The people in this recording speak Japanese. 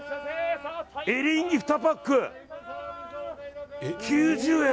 エリンギ２パック、９０円。